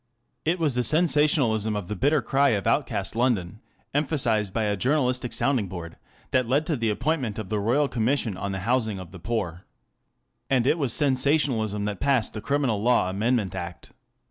It was the sensationalism of the " Bitter Cry of Outcast London," emphasized by a journalistic sounding board, that led to the appointment of the Royal Commission on the Housing of the Poor. And it was sensationalism that passed the Criminal Law Amendment Act.